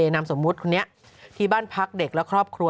นามสมมุติคนนี้ที่บ้านพักเด็กและครอบครัว